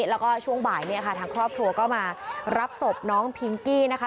แล้วก็ช่วงบ่ายเนี่ยค่ะทางครอบครัวก็มารับศพน้องพิงกี้นะคะ